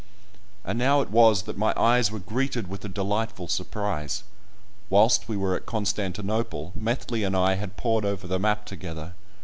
And now it was that my eyes were greeted with a delightful surprise. Whilst we were at Constantinople, Methley and I had pored over the map together.